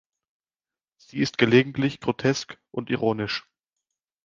Sie ist gelegentlich grotesk und ironisch.